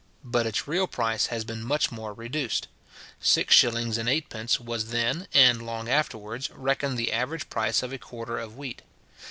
But its real price has been much more reduced. Six shillings and eightpence was then, and long afterwards, reckoned the average price of a quarter of wheat.